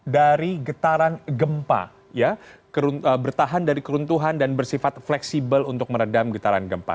dari getaran gempa bertahan dari keruntuhan dan bersifat fleksibel untuk meredam getaran gempa